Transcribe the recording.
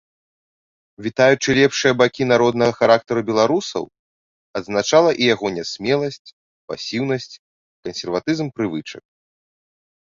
Вітаючы лепшыя бакі народнага характару беларусаў, адзначала і яго нясмеласць, пасіўнасць, кансерватызм прывычак.